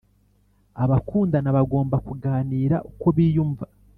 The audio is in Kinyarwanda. abakundana bagomba kuganira uko biyumva